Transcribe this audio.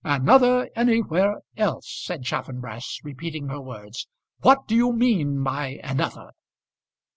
"Another anywhere else," said Chaffanbrass, repeating her words; "what do you mean by another?"